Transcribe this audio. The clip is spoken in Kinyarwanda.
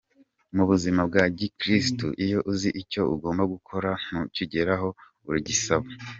Mu buzima bwa gikristu, iyo uzi icyo ugomba gukora ntukigereho uragisaba.